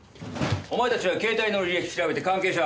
お前たちは携帯の履歴調べて関係者